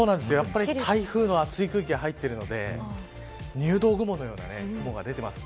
台風の厚い空気が入っているので入道雲のような雲が出ています。